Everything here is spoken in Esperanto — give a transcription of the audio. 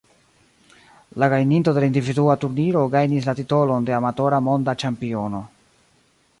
La gajninto de la individua turniro gajnis la titolon de Amatora Monda Ĉampiono.